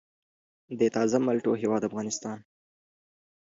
د تازه مالټو هیواد افغانستان.